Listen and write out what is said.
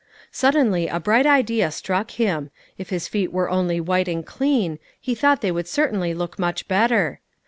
Suddenly a bright idea struck him: if his feet were only white and clean, he thought they would certainly look much better.